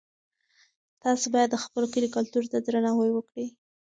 تاسي باید د خپل کلي کلتور ته درناوی وکړئ.